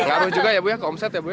pengaruh juga ya bu ya omset ya bu ya